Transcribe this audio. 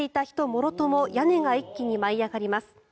もろとも屋根が一気に舞い上がります。